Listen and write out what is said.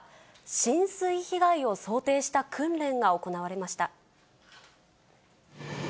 浸水被害を想定した訓練が行われました。